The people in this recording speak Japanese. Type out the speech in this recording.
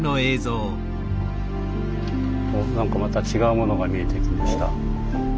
なんかまた違うものが見えてきました。